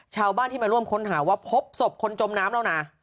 ชาวบ้านที่มาร่วมค้นหาว่าพบศพคนจมน้ำแล้วนะ